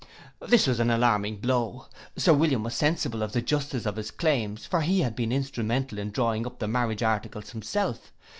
This was an alarming blow, Sir William was sensible of the justice of his claims, for he had been instrumental in drawing up the marriage articles himself.